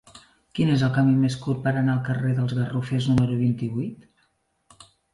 Quin és el camí més curt per anar al carrer dels Garrofers número vint-i-vuit?